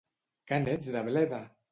Que n'ets de bleda!